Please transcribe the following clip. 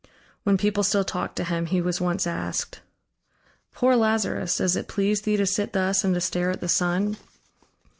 When people still talked to him, he was once asked: "Poor Lazarus, does it please thee to sit thus and to stare at the sun?"